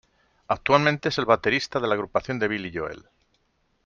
Actualmente es el baterista de la agrupación de Billy Joel.